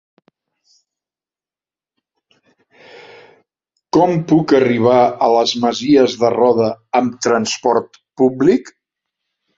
Com puc arribar a les Masies de Roda amb trasport públic?